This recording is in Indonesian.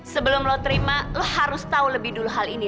sebelum lo terima lo harus tahu lebih dulu hal ini